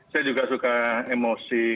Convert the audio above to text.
saya juga suka emosi